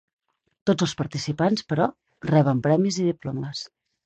Tots els participants, però, reben premis i diplomes.